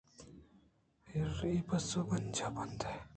حرءَ کہ اپسے بنجاہ ءَ بندئے